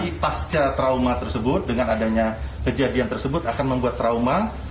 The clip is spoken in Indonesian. jadi pasca trauma tersebut dengan adanya kejadian tersebut akan membuat trauma